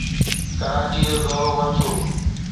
ڪراچي جو دورو منسوخ